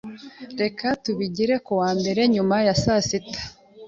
Reka tubigire ku wa mbere nyuma ya saa sita.